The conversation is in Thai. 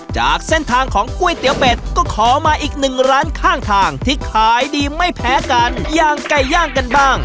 จากเส้นทางของก๋วยเตี๋ยวเป็ดก็ขอมาอีกหนึ่งร้านข้างทางที่ขายดีไม่แพ้กันอย่างไก่ย่างกันบ้าง